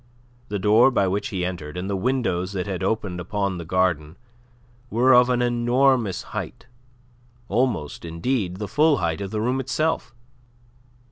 The door by which he entered, and the windows that opened upon the garden, were of an enormous height almost, indeed, the full height of the room itself.